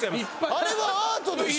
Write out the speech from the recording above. あれはアートでしょ。